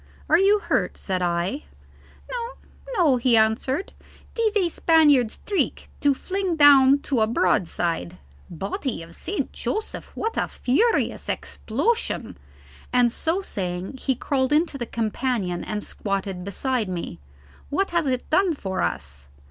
"Are you hurt?" said I. "No, no," he answered. "'Tis a Spaniard's trick to fling down to a broadside. Body of St. Joseph, what a furious explosion!" and so saying he crawled into the companion and squatted beside me. "What has it done for us?"